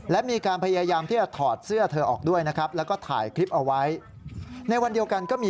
และมีการพยายามที่จะถอดเสื้อเธอออกด้วยและถ่ายคลิปเอาไว้